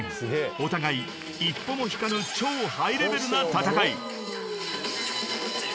［お互い一歩も引かぬ超ハイレベルな戦い］